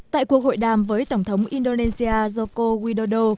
tại cuộc hội đàm với tổng thống indonesia joko widodo